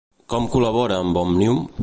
Com col·labora amb Òmnium?